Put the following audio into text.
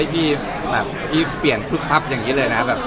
พี่เปลี่ยนภาพอย่างงี้เลยนะ